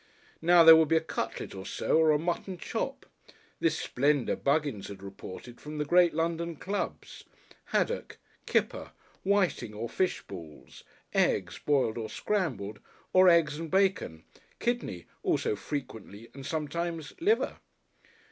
Now there would be a cutlet or so or a mutton chop this splendour Buggins had reported from the great London clubs haddock, kipper, whiting or fish balls, eggs, boiled or scrambled, or eggs and bacon, kidney also frequently and sometimes liver.